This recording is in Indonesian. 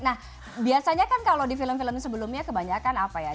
nah biasanya kan kalau di film film sebelumnya kebanyakan apa ya